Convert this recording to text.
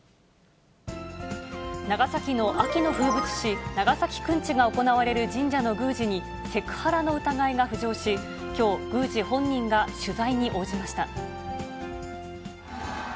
長崎の秋の風物詩、長崎くんちが行われる神社の宮司に、セクハラの疑いが浮上し、きょう、宮司本人が取材に応じました。